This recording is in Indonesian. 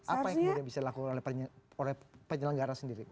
apa yang kemudian bisa dilakukan oleh penyelenggara sendiri